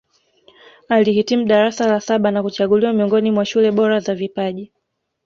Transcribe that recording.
Alihitimu darasa la saba na kuchaguliwa miongoni mwa shule bora za vipaji